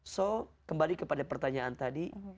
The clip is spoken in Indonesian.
jadi kembali kepada pertanyaan tadi